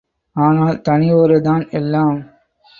ஆனால், தனி ஒருவர்தான் எல்லாம்!